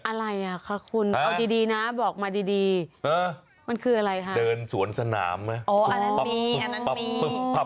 อะไรอ่ะค่ะคุณเอาดีนะบอกมาดีมันคืออะไรค่ะเดินสวนสนามนะอันนั้นมี